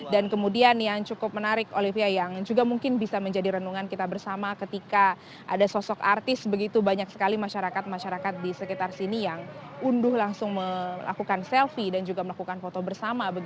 dan kemudian yang cukup menarik olivia yang juga mungkin bisa menjadi renungan kita bersama ketika ada sosok artis begitu banyak sekali masyarakat masyarakat di sekitar sini yang unduh langsung melakukan selfie dan juga melakukan foto bersama